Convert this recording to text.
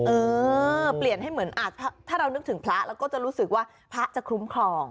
เออเปลี่ยนให้เหมือนถ้าเรานึกถึงพระเราก็จะรู้สึกว่าพระจะคุ้มครอง